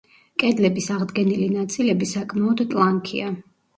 კედლების აღდგენილი ნაწილები საკმაოდ ტლანქია.